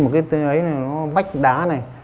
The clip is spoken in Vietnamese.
một cái tên ấy này nó vách đá này